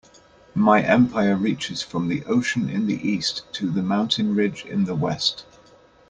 My empire reaches from the ocean in the East to the mountain ridge in the West.